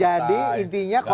jadi intinya kalau